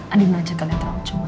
adi ngajak kalian terlalu cemas